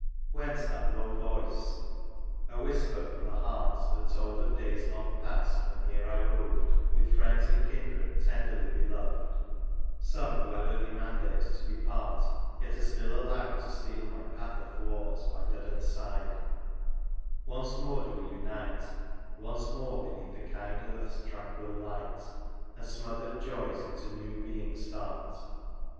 23 XXI. Whence that low voice ?— A whisper from the heart. That told of days long past when here I roved With friends and kindred tenderly beloved ; Some who had early mandates to depart, Yet are allowed to steal my path athwart By Duddon's side ; once more do we unite, Once more beneath the kind Earth's tranquil light ; And smothered joys into new being start.